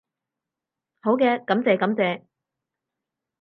好嘅，感謝感謝